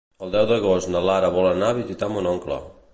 El deu d'agost na Lara vol anar a visitar mon oncle.